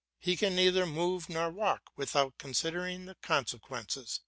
He can neither move nor walk without considering the consequences.